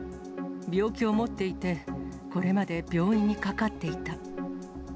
病気を持っていて、これまで病院にかかっていた。